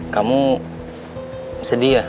kamu sedih ya